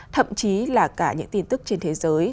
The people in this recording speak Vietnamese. thậm chí là cả những tin tức trên thế giới